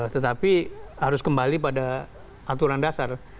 tetapi harus kembali pada aturan dasar